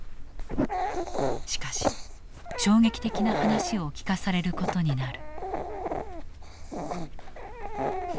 しかし衝撃的な話を聞かされることになる。